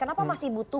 kalau saya lihat itu